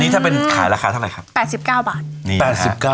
ชาติราคาเท่าไหร่